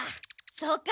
そうか。